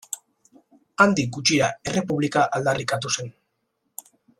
Handik gutxira errepublika aldarrikatu zen.